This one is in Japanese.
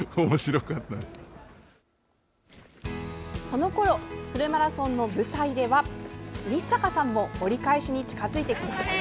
そのころフルマラソンの舞台では日坂さんも折り返しに近づいてきました。